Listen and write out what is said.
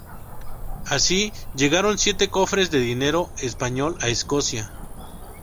Así, llegaron siete cofres de dinero español a Escocia.